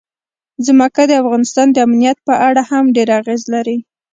ځمکه د افغانستان د امنیت په اړه هم ډېر اغېز لري.